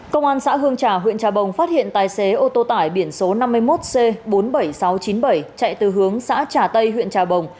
công an xã hương trà huyện trà bồng phát hiện tài xế ô tô tải biển số năm mươi một c bốn mươi bảy nghìn sáu trăm chín mươi bảy chạy từ hướng xã trà tây huyện trà bồng